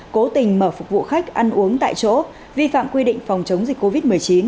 cố tình mở phục vụ khách ăn uống tại chỗ vi phạm quy định phòng chống dịch covid một mươi chín